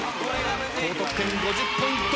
高得点５０ポイント。